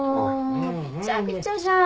びちゃびちゃじゃん。